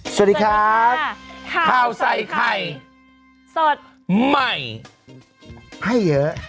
สวัสดีครับข้าวใส่ไข่สดใหม่ให้เยอะ